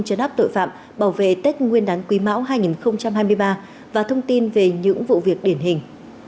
chấn áp tội phạm bảo vệ tết nguyên đán quý mão hai nghìn hai mươi ba và thông tin về những vụ việc điển hình